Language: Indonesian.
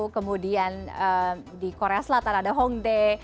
kemudian di korea selatan ada hongdae